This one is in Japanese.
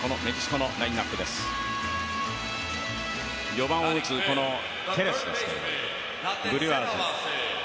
４番を打つテレスですけどもブルワーズ。